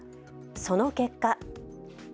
その結果。